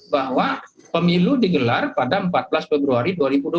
bahwa pemilu digelar pada empat belas februari dua ribu dua puluh